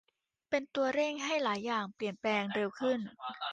เป็นตัวเร่งให้หลายอย่างเปลี่ยนแปลงเร็วขึ้น